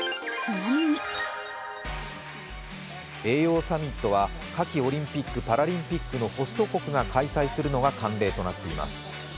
栄養サミットは夏季オリンピック・パラリンピックのホスト国が開催するのが慣例となっています。